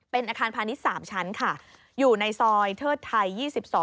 เป็นอาคารพาณิชย์๓ชั้นค่ะอยู่ในซอยเทิดไทย๒๒